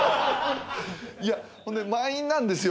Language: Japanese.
いやほんで満員なんですよ。